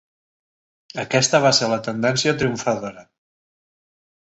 Aquesta va ser la tendència triomfadora.